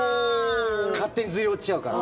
勝手にずり落ちちゃうから。